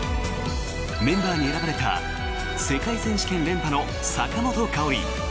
メンバーに選ばれた世界選手権連覇の坂本花織。